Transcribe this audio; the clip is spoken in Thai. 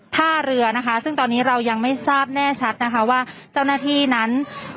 ท่าเรือนะคะซึ่งตอนนี้เรายังไม่ทราบแน่ชัดนะคะว่าเจ้าหน้าที่นั้น